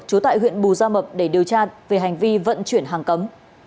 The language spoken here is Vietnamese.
trú tại huyện bù gia mập để điều tra về hành vi vận chuyển hàng cấm